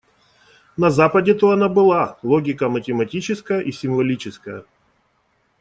На Западе-то она была: логика математическая и символическая.